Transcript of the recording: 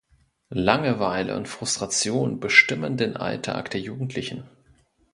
Langeweile und Frustration bestimmen den Alltag der Jugendlichen.